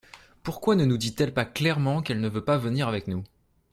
Pourquoi ne nous dit-elle pas clairement qu’elle ne veut pas venir avec nous ?